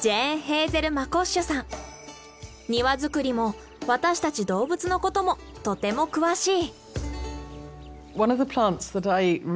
庭作りも私たち動物のこともとても詳しい。